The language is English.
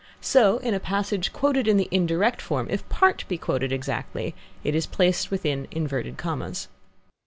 So, in a passage quoted in the indirect form, if part be quoted exactly, it is placed within inverted commas.